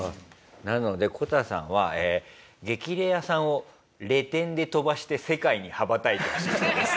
なのでこたさんは『激レアさん』をレ点で飛ばして世界に羽ばたいてほしい人です。